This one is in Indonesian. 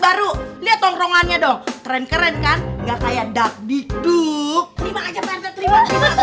baru lihat tongkrongannya dong tren keren kan enggak kayak dabdi duk terima aja pak rete